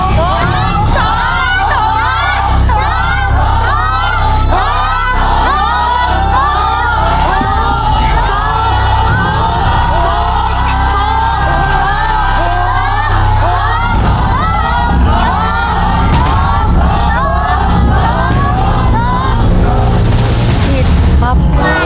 ผิดครับ